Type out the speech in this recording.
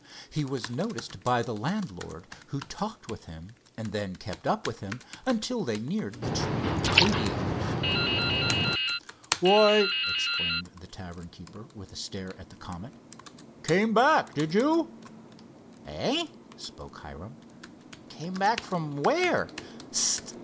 He was noticed by the landlord, who talked with him and then kept up with him until they neared the two young aviators. "Why," exclaimed the tavern keeper, with a stare at the Comet, "came back, did you?" "Eh?" spoke Hiram—"came back from where?" "S st!"